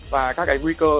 và các cái nguy cơ